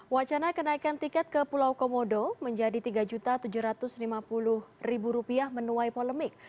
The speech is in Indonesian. wacana kenaikan tiket ke pulau komodo menjadi rp tiga tujuh ratus lima puluh menuai polemik